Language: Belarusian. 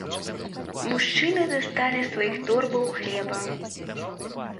Мужчыны дасталі з сваіх торбаў хлеба.